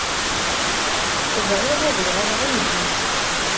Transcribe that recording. Bɣiɣ ad uɣaleɣ am zik.